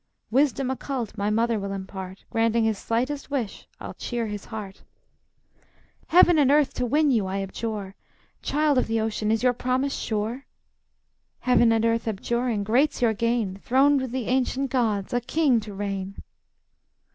Wisdom occult my mother will impart. Granting his slightest wish, I'll cheer his heart." "Heaven and earth to win you I abjure! Child of the ocean, is your promise sure?" "Heaven and earth abjuring, great's your gain, Throned with the ancient gods, a king to reign!"